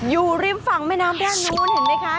อยู่ริมฝั่งแม่น้ำด้านนู้นเห็นไหมคะ